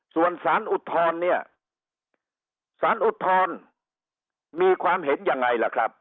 ส่วนสารอุทธรณ์เนี่ยสารอุทธรณ์มีความเห็นยังไงล่ะครับ